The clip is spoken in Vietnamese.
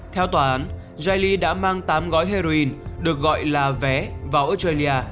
theo tòa án zaily đã mang tám gói heroin được gọi là vé vào australia